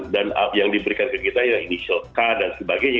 dan yang diberikan ke kita ya initial k dan sebagainya